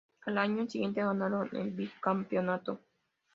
Al año siguiente ganaron el bicampeonato.